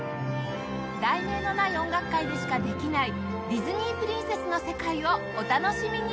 『題名のない音楽会』でしかできないディズニープリンセスの世界をお楽しみに！